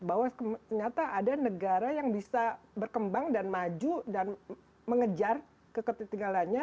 bahwa ternyata ada negara yang bisa berkembang dan maju dan mengejar keketinggalannya